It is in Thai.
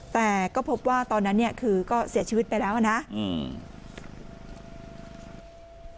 แต่ก็พบว่าตอนนั้นเนี่ยคือก็เสียชีวิตไปแล้วอ่ะนะอืม